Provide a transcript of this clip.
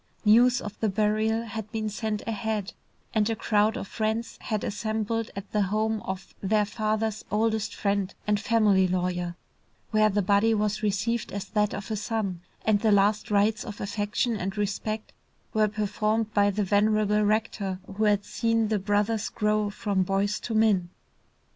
News of the burial had been sent ahead, and a crowd of friends had assembled at the home of their father's oldest friend and family lawyer, where the body was received as that of a son, and the last rites of affection and respect were performed by the venerable rector who had seen the brothers grow from boys to men.